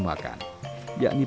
sampai saatnya dia diberi makan